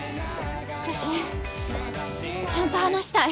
私ちゃんと話したい。